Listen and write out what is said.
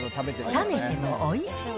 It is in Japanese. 冷めてもおいしい。